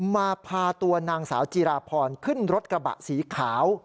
มาพาตัวนางสาวจีราพรขึ้นรถกระบะสีขาว